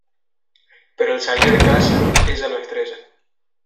Pero al salir de casa, ella lo estrella.